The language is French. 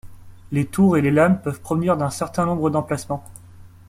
Les tours et les lames peuvent provenir d'un certain nombre d'emplacements.